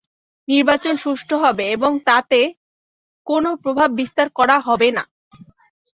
নির্বাচন সুষ্ঠু হবে এবং তাতে কোনো প্রভাব বিস্তার করা হবে না।